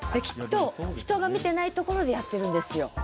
きっと人が見てないところでやってるんですよ。